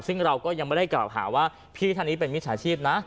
ซึ่งเราก็ยังไม่ได้กล่าวหาว่าพี่ท่านนี้เป็นมิจฉาชีพนะ